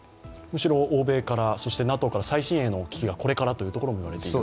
むしろ欧米から、ＮＡＴＯから最新鋭の機器がこれからというところも見えてくる。